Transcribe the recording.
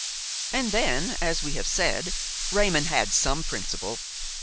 And then, as we have said, Raymon had some principle.